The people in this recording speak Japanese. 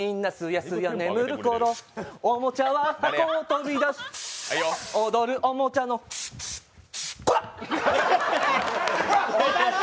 みんなすやすや眠るころ、おもちゃは箱を飛び出して、踊るオモチャのコラッ！